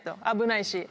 危ないし。